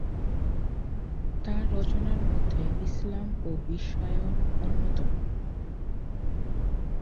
তার রচনার মধ্যে "ইসলাম ও বিশ্বায়ন" অন্যতম।